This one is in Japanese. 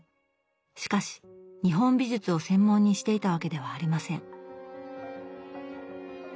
しかし日本美術を専門にしていたわけではありません。